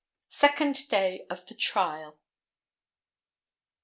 Second Day of the Trial. Dr.